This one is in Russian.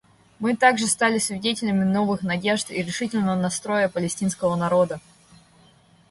Мы также стали свидетелями новых надежды и решительного настроя палестинского народа.